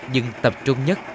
nhưng tập trung nhất